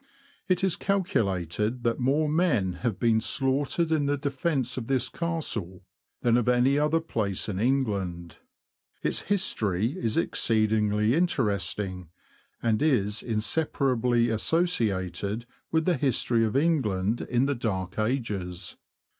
It is calculated that more men have been slaughtered in the defence of this Castle than of any other place in England. Its history is exceedingly interesting, and is inseparably associated with the history of England in the Dark Ages.